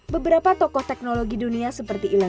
beberapa tokoh teknologi dunia seperti elon